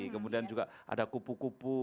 kemudian juga ada kupu kupu